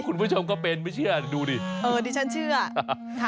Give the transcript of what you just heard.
คุณผู้ชมก็เป็นไม่เชื่อดูดิเออดิฉันเชื่อค่ะ